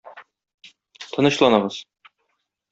Тынычланыгыз.